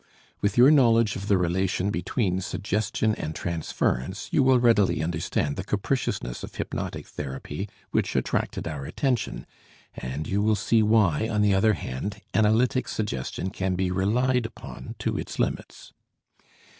With your knowledge of the relation between suggestion and transference you will readily understand the capriciousness of hypnotic therapy which attracted our attention, and you will see why, on the other hand, analytic suggestion can be relied upon to its limits.